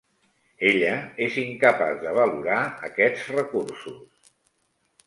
Ella és incapaç de valorar aquests recursos.